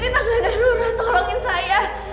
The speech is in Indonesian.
kesini tangganan aa bull mohalla scp enam tocaa wst lima